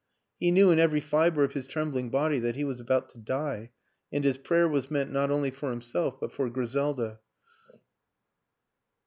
" He knew in every fiber of his trembling body that he was about to die, and his prayer was meant not only for himself WILLIAM AN ENGLISHMAN 129 but for Griselda.